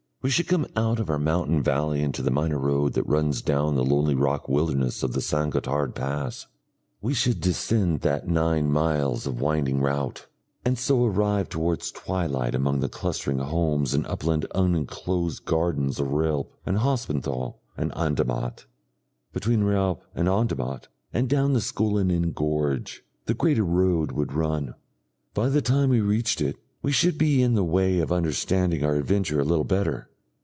We should come out from our mountain valley into the minor road that runs down the lonely rock wilderness of the San Gotthard Pass, we should descend that nine miles of winding route, and so arrive towards twilight among the clustering homes and upland unenclosed gardens of Realp and Hospenthal and Andermatt. Between Realp and Andermatt, and down the Schoellenen gorge, the greater road would run. By the time we reached it, we should be in the way of understanding our adventure a little better.